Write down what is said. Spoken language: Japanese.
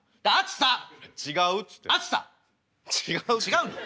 違うの？